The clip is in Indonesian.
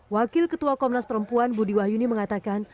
wakil ketua komnas perempuan budi wahyuni mengatakan